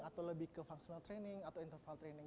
atau lebih ke functional training atau interval training